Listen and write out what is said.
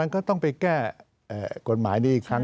ก็ต้องไปแก้กฎหมายนี้อีกครั้ง